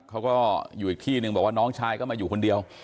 เขาก็อยู่อีกที่หนึ่งบอกว่าน้องชายก็มาอยู่คนเดียว